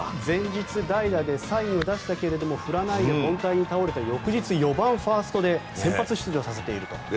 前日代打でサインを出したけれど振らないで凡退に倒れた翌日に４番ファーストで先発出場させていると。